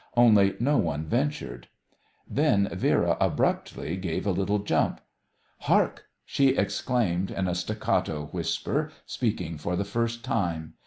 Only no one ventured. Then Vera abruptly gave a little jump. "Hark!" she exclaimed, in a staccato whisper, speaking for the first time.